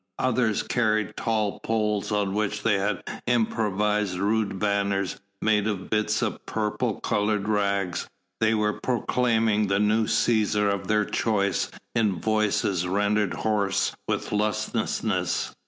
Others carried tall poles on which they had improvised rude banners made of bits of purple coloured rags: they were proclaiming the new Cæsar of their choice in voices rendered hoarse with lustiness.